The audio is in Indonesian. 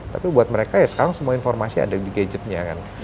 tapi buat mereka ya sekarang semua informasi ada di gadgetnya kan